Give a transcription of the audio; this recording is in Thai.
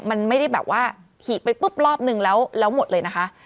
มันไม่ได้แบบว่าขีดไปปุ๊บรอบนึงแล้วหมดเลยนะคะ